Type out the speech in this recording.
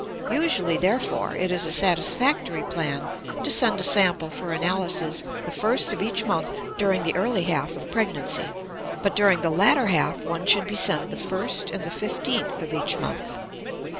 Usually, therefore, it is a satisfactory plan to send a sample for analysis the first of each month during the early half of pregnancy; but during the latter half one should be sent the first and the fifteenth of each month.